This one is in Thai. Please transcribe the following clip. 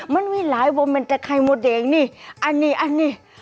มันมีหลายวงมันจะไข่มดแดงนี่อันนี้อันนี้